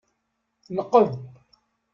Nqeb.